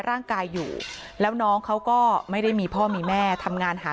ร่างกายอยู่แล้วน้องเขาก็ไม่ได้มีพ่อมีแม่ทำงานหา